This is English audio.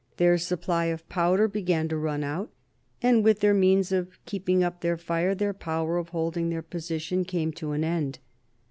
Their supply of powder began to run out, and with their means of keeping up their fire their power of holding their position came to an end.